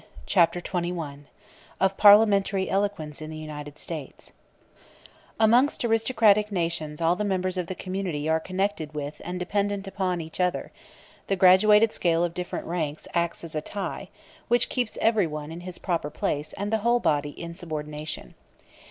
Chapter XXI: Of Parliamentary Eloquence In The United States Amongst aristocratic nations all the members of the community are connected with and dependent upon each other; the graduated scale of different ranks acts as a tie, which keeps everyone in his proper place and the whole body in subordination.